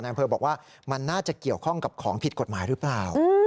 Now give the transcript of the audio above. อำเภอบอกว่ามันน่าจะเกี่ยวข้องกับของผิดกฎหมายหรือเปล่า